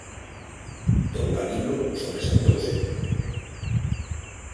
Don Gabino sobresaltouse.